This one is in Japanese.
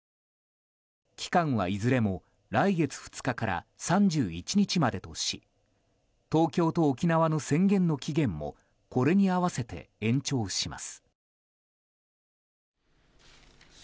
期間はいずれも来月２日から３１日までとし東京と沖縄の宣言の期限もこれに合わせて延長します。